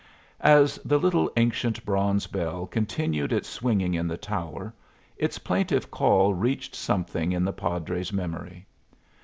As the little, ancient bronze bell continued its swinging in the tower, its plaintive call reached something in the padre's memory.